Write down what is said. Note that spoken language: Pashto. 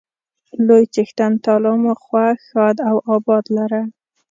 لوی څښتن تعالی مو خوښ، ښاد او اباد لره.